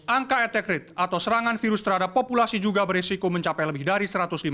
angka etek rate atau serangan virus terhadap populasi juga beresiko mencapai lebih dari satu ratus lima puluh